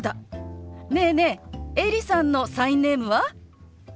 ねえねえエリさんのサインネームは？